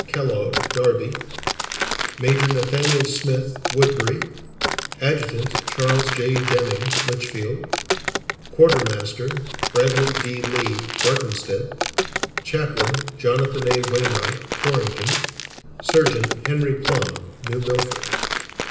Kellogg, Derby; major, Nathaniel Smith, Woodbury; adjutant, Charles J. Deming, Litchfield; quartermaster, Bradley D. Lee, Barkhamsted; chaplain, Jonathan A. Wainwright, Torrington; surgeon, Henry Plumb, New Milford.